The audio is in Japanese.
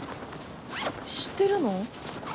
知ってるの？